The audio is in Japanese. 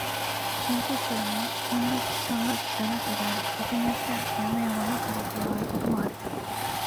オーケストラには弦楽器、管楽器、打楽器があり、曲によってはピアノや和楽器が加わることもある。